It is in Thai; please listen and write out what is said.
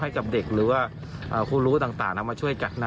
ให้กับเด็กหรือว่าคู่รู้ต่างเอามาช่วยกัน